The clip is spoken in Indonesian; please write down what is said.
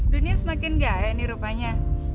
dunia semakin gae nih rupanya